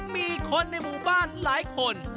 มีคนในหมู่บ้านหลายคน